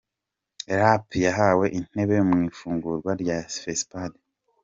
Rape yahawe intebe mu ifungurwa rya Fesipade